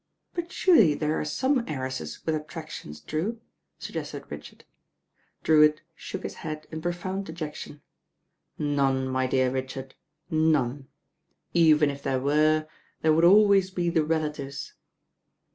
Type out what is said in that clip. "But surely there are some heiresses with attt ac tions. Drew," suggested Richard. Drewitt shook his head in profound dejection. "None, my dear Richard, none. Even if there were, there would always be the relatives.